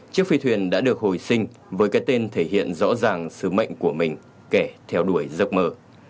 chiếc phi thuyền đã được hồi sinh với cái tên thể hiện rõ ràng sứ mệnh của mình kẻ theo đuổi giấc mơ